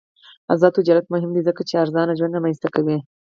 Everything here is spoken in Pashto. آزاد تجارت مهم دی ځکه چې ارزان ژوند رامنځته کوي.